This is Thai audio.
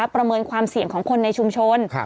ประเมินความเสี่ยงของคนในชุมชน